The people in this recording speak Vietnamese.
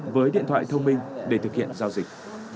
với điện thoại thông minh để thực hiện giao dịch